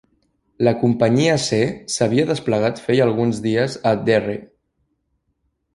La companyia C s'havia desplegat feia alguns dies a Derry.